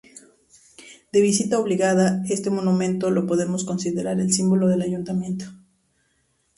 De visita obligada, este monumento lo podemos considerar el símbolo del ayuntamiento.